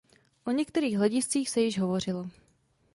O některých hlediscích se již hovořilo.